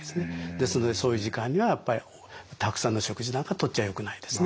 ですのでそういう時間にはたくさんの食事なんかとっちゃよくないですね。